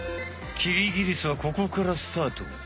キリギリスはここからスタート。